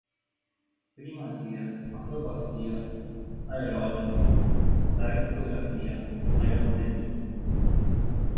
primazias, acrobacia, aeródino, aerofotografia, aeromodelismo